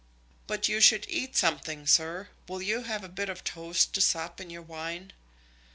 "But you should eat something, sir; will you have a bit of toast to sop in your wine?"